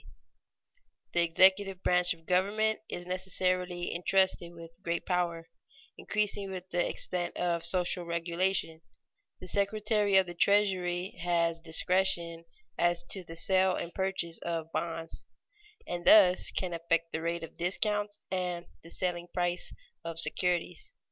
[Sidenote: Integrity needed in public officials] The executive branch of government is necessarily intrusted with great power, increasing with the extent of social regulation. The Secretary of the Treasury has discretion as to the sale and purchase of bonds, and thus can affect the rate of discount and the selling price of securities.